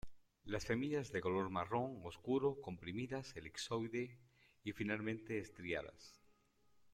Las semillas de color marrón oscuro, comprimidas elipsoides y finamente estriadas.